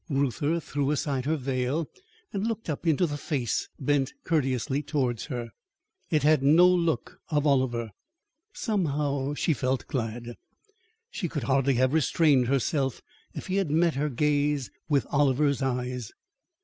Reuther threw aside her veil, and looked up into the face bent courteously towards her. It had no look of Oliver. Somehow she felt glad. She could hardly have restrained herself if he had met her gaze with Oliver's eyes.